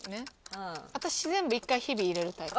私全部１回ヒビ入れるタイプ。